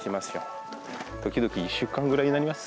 時々１週間くらいになります。